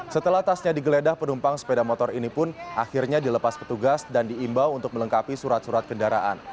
setelah tasnya digeledah penumpang sepeda motor ini pun akhirnya dilepas petugas dan diimbau untuk melengkapi surat surat kendaraan